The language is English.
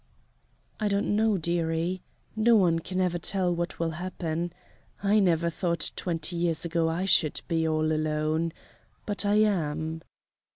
"I don't know, dearie. No one can ever tell what will happen. I never thought twenty years ago I should be all alone but I am."